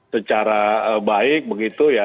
secara baik begitu ya